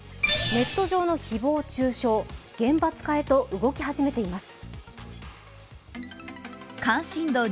ネット上の誹謗中傷、厳罰化へと動き始めています。